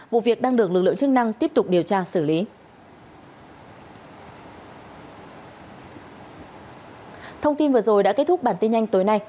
vụ việc đang được lực lượng chức năng tiếp tục điều tra xử lý